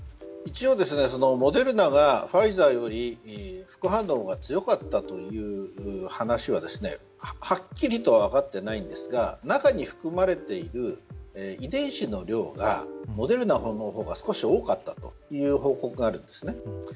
一応、モデルナがファイザーより副反応が強かったという話ははっきりと分かっていないんですが中に含まれている遺伝子の量がモデルナのほうが少し多かったという報告があるんですね。